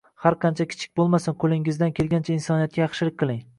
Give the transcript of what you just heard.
Har qancha kichik bo’lmasin, qo’lingizdan kelgancha insoniyatga yaxshilik qiling